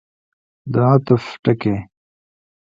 د عطف ټکی.